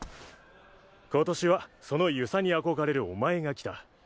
今年はその遊佐に憧れるお前が来た。